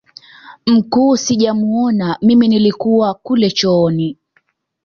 mkuu sijamuona mimi nilikuwa kule chooni